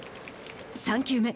３球目。